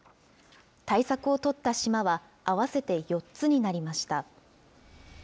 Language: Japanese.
対策を取った島は合わせて４つになりました。